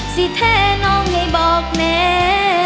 สิแท้น้องให้บอกนัย